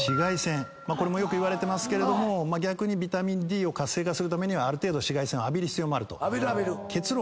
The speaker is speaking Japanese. これもよくいわれてますけども逆にビタミンＤを活性化するためにはある程度紫外線を浴びる必要もあると。